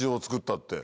って。